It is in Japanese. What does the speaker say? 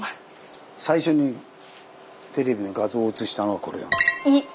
最初にテレビに画像を映したのがこれなんです。